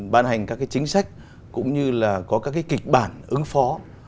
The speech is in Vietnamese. ban hành các cái chính sách cũng như là có các cái kịch bản ứng phó